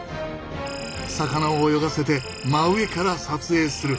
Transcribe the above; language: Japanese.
魚を泳がせて真上から撮影する。